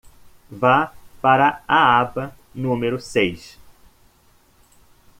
Vá para a aba número seis.